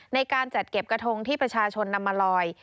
ในการจัดเก็บกระทงที่ประชาชนนำมาลอย